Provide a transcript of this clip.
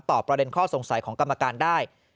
ประเด็นข้อสงสัยของกรรมการได้